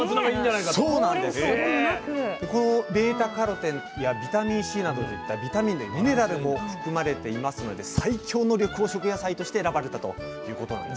このβ−カロテンやビタミンＣなどといったビタミン類ミネラルも含まれていますので最強の緑黄色野菜として選ばれたということなんですね。